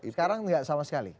sekarang enggak sama sekali